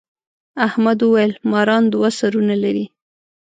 احمد وويل: ماران دوه سرونه لري.